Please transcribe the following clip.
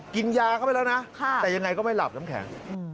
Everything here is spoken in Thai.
กินยาเข้าไปแล้วนะแต่ยังไงก็ไม่หลับน้ำแข็ง